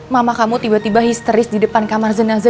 mama kamu tiba tiba histeris di depan kamar jenazah